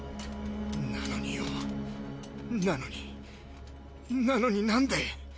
なのによなのになのになんで。